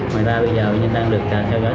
ngoài ra bây giờ bệnh nhân đang được theo gói